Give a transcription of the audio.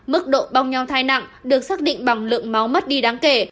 mức độ bong nhau thai nặng được xác định bằng lượng máu mất đi đáng kể